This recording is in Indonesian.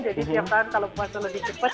jadi setiap tahun kalau puasa lebih cepat